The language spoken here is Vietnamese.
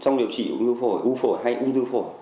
trong điều trị ung thư phổi u phổi hay ung thư phổi